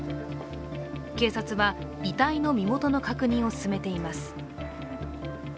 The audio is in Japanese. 警察は遺体の身元の確認を進めています。